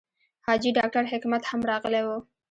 حاجي ډاکټر حکمت هم راغلی و.